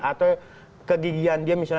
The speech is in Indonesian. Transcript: atau kegigian dia misalnya